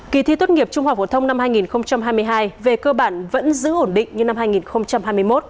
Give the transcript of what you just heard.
kỳ thi tốt nghiệp trung học phổ thông năm hai nghìn hai mươi hai về cơ bản vẫn giữ ổn định như năm hai nghìn hai mươi một